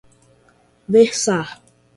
versar